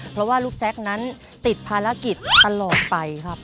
เพราะว่าลูกแซ็กนั้นติดภารกิจตลอดไปครับ